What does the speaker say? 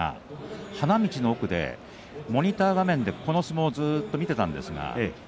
花道の奥でモニター画面でこの相撲をずっと見ていました。